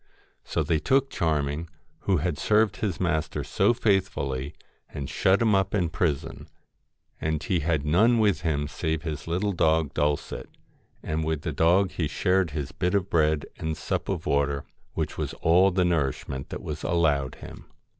So they took Charming, who had served his master so faithfully, and shut him up in prison ; and he had none with him save his little dog Dulcet, and with the dog he shared his bit of bread and sup of water, which was all the nourishment that was allowed him.